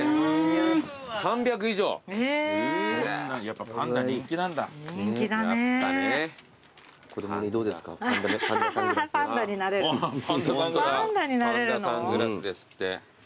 ぱんだサングラスですって。